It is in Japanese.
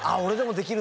できる？